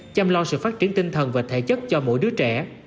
chăm lo sự phát triển tinh thần và thể chất cho mỗi đứa trẻ